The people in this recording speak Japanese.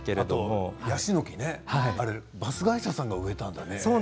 あとヤシの木ねバス会社さんが植えたんだね